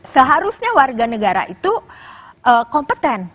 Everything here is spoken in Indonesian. seharusnya warga negara itu kompeten